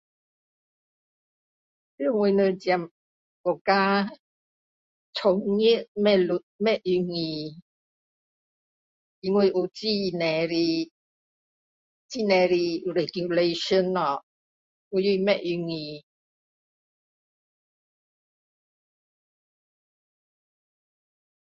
我们这国家从业不路不容易因为有很多的很多的 regulations 咯所以不容易